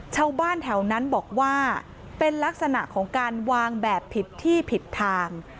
ชาวบ้านแถวนั้นบอกว่าเป็นลักษณะของการวางแบบผิดที่ผิดทาง